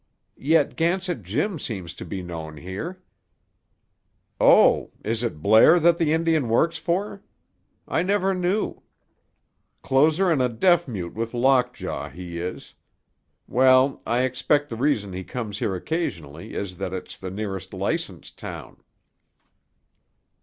"Yet Gansett Jim seems to be known here." "Oh; is it Blair that the Indian works for? I never knew. Closer'n a deaf mute with lockjaw, he is. Well, I expect the reason he comes here occasionally is that it's the nearest license town.